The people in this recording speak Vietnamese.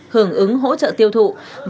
hưởng ứng hỗ trợ tiêu thụ